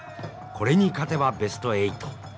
これに勝てばベスト８。